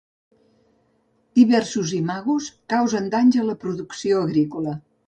Diversos imagos causen danys a la producció agrícola.